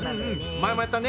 前もやったね。